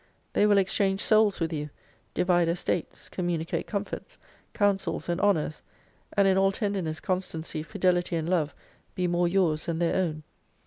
They will exchange Souls with you, divide estates, communicate comforts, counsels and honours, and in all tenderness, constancy, fidelity, and love be more yours than their own.